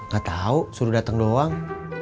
gatau suruh dateng doang